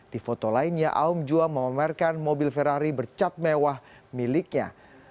di foto lainnya aum jua memamerkan mobil ferrari bercat mewah miliknya